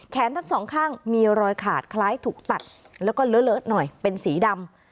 ทั้งสองข้างมีรอยขาดคล้ายถูกตัดแล้วก็เลอะหน่อยเป็นสีดำ